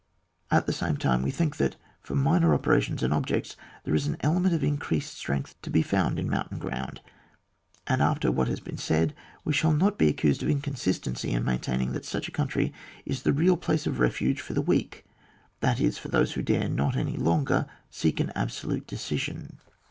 At the same time, we think that, for minor operations and objects, there is an element of increased strong^ to be found in mountain ground; and after what has been said, we shall not be accused of inconsistency in maintaining that such a country is the real place of refuge for the weak, that is, for those who dare not any longer seek an absolute decision.